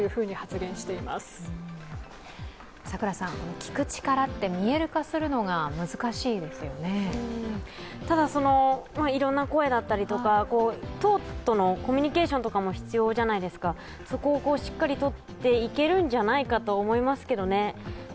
「聞く力」って見える化するのがいろんな声だったりとか党とのコミュニケーションとかも必要じゃないですか、そこをしっかりとっていけるんじゃないかと思いますけどね。